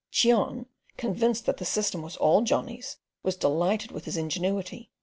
Cheon, convinced that the system was all Johnny's was delighted with his ingenuity.